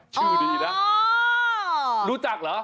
ชื่อดีนะรู้จักเหรอ